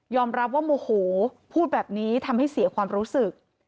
รับว่าโมโหพูดแบบนี้ทำให้เสียความรู้สึก